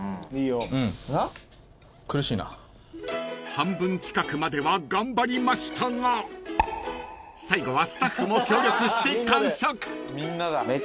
［半分近くまでは頑張りましたが最後はスタッフも協力して完食］